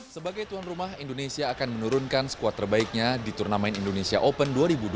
sebagai tuan rumah indonesia akan menurunkan skuad terbaiknya di turnamen indonesia open dua ribu dua puluh